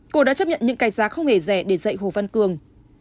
cô đã chấp nhận những cái giá không hề rẻ để dạy hồ văn cường